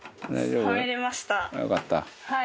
「よかった」